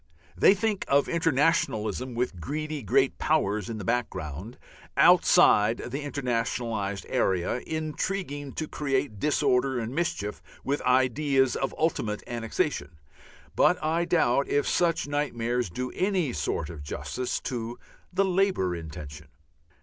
They think of internationalism with greedy Great Powers in the background outside the internationalized area, intriguing to create disorder and mischief with ideas of an ultimate annexation. But I doubt if such nightmares do any sort of justice to the Labour intention.